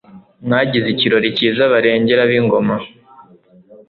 Mwagize ikirori cyiza Barengera b’ingoma,